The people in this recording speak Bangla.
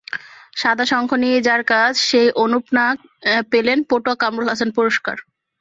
সাদা শঙ্খ নিয়েই যাঁর কাজ, সেই অনুপ নাগ পেলেন পটুয়া কামরুল হাসান পুরস্কার।